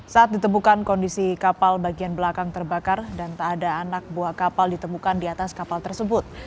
saat ditemukan kondisi kapal bagian belakang terbakar dan tak ada anak buah kapal ditemukan di atas kapal tersebut